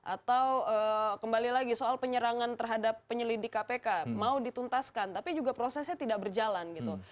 atau kembali lagi soal penyerangan terhadap penyelidik kpk mau dituntaskan tapi juga prosesnya tidak berjalan gitu